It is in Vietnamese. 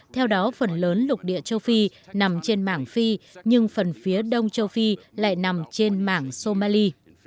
theo đó phần lớn lục địa châu phi nằm trên mảng phi nhưng phần phía đông châu phi lại nằm trên mảng somali